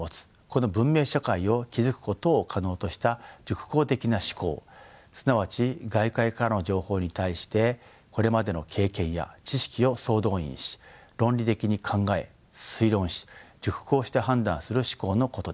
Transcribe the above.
この文明社会を築くことを可能とした熟考的な思考すなわち外界からの情報に対してこれまでの経験や知識を総動員し論理的に考え推論し熟慮して判断する思考のことです。